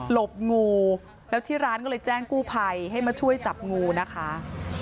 บงูแล้วที่ร้านก็เลยแจ้งกู้ภัยให้มาช่วยจับงูนะคะ